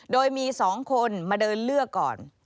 โดยมี๒คนมาเดินเลือกก่อน